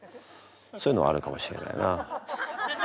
そういうのあるかもしれないな。